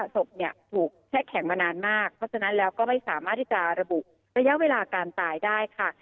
ศพเนี่ยถูกแช่แข็งมานานมากเพราะฉะนั้นแล้วก็ไม่สามารถที่จะระบุระยะเวลาการตายได้ค่ะ